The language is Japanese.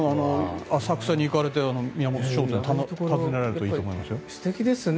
浅草に行かれて宮本商店を訪ねられるといいと思いますよ。